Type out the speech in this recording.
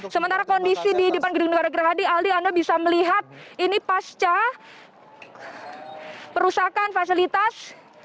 sementara kondisi di depan gedung negara gerahadi aldi anda bisa melihat ini pasca perusahaan fasilitas